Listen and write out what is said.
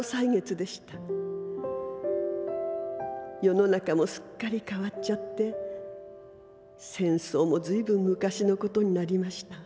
世の中もすっかり変わっちゃって戦争もずいぶん昔のことになりました。